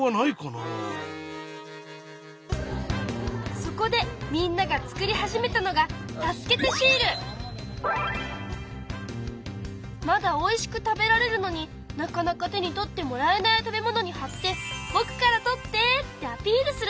そこでみんなが作り始めたのがまだおいしく食べられるのになかなか手に取ってもらえない食べ物にはって「ぼくから取って」ってアピールするの。